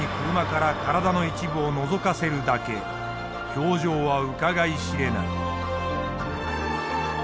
表情はうかがい知れない。